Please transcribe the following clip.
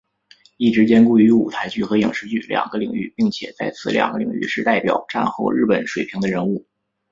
一直兼顾于舞台剧和影视剧两个领域并且在此两个领域是代表战后日本水平的人物。